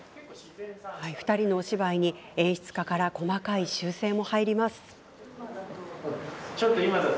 ２人のお芝居に演出家から細かい修正が。